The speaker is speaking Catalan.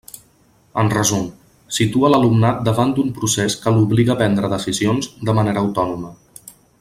En resum, situa l'alumnat davant d'un procés que l'obliga a prendre decisions de manera autònoma.